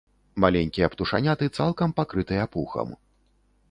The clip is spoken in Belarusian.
Маленькія птушаняты цалкам пакрытыя пухам.